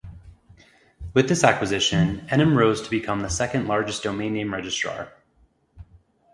With this acquisition, Enom rose to become the second largest domain name registrar.